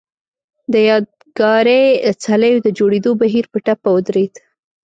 د یادګاري څليو د جوړېدو بهیر په ټپه ودرېد.